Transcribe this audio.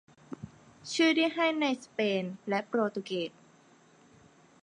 ชื่อที่ให้ในสเปนและโปรตุเกส